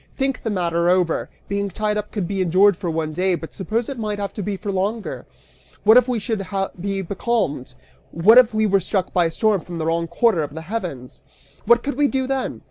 Think the matter over! Being tied up could be endured for one day, but suppose it might have to be for longer? What if we should be becalmed? What if we were struck by a storm from the wrong quarter of the heavens? What could we do then?